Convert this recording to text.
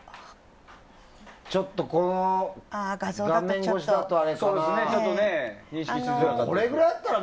ちょっとこの画面越しだとあれかな。